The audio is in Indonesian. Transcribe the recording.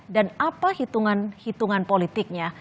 dan apa hitungan hitungan politiknya